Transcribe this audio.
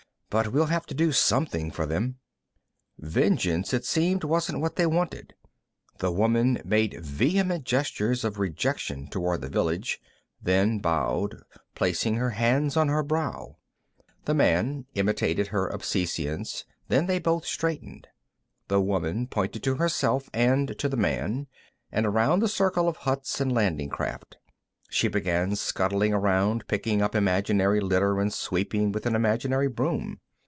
"But we'll have to do something for them." Vengeance, it seemed, wasn't what they wanted. The woman made vehement gestures of rejection toward the village, then bowed, placing her hands on her brow. The man imitated her obeisance, then they both straightened. The woman pointed to herself and to the man, and around the circle of huts and landing craft. She began scuttling about, picking up imaginary litter and sweeping with an imaginary broom.